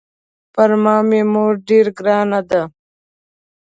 پر ما مې مور ډېره ګرانه ده.